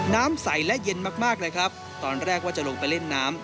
น้ำใสและเย็นมากมากเลยครับตอนแรกว่าจะลงไปเล่นน้ำ